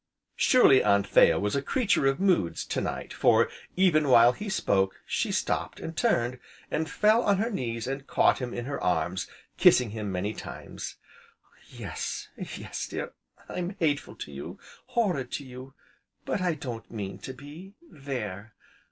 Surely Anthea was a creature of moods, to night, for, even while he spoke, she stopped, and turned, and fell on her knees, and caught him in her arms, kissing him many times: "Yes, yes, dear, I'm hateful to you, horrid to you! But I don't mean to be. There!